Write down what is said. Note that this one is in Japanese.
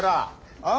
あ？